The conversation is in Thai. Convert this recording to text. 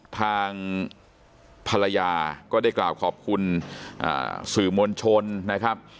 ทางภรรยาก็ได้กล่าวขอบคุณสื่อมวลชนนะครับ